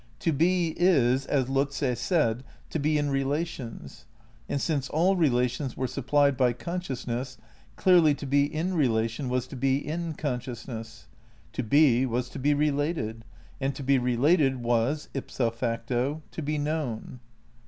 To be, is, as Lotze said, to be in relations; and since all relations were supplied by consciousness, clearly to be in relation was to be in consciousness. To be was to be related, and to be related was, ipso facto, to be known.